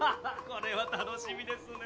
これは楽しみですね。